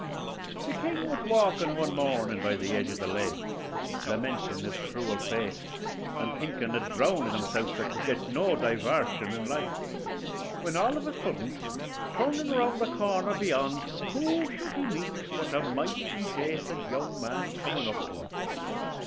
The king was walkin' one mornin' by the edge of the lake, lamentin' his cruel fate, and thinkin' o' drownin' himself, that could get no divarshun in life, when all of a suddint, turnin' round the corner beyant, who should he meet but a mighty dacent young man comin' up to him.